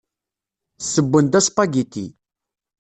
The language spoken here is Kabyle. Ssewwen-d aspagiti.